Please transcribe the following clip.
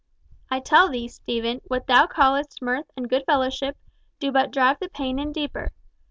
"I tell thee, Stephen, what thou callest mirth and good fellowship do but drive the pain in deeper.